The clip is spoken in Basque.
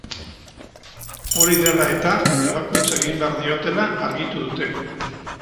Hori dela eta, ebakuntza egin behar diotela argitu dute.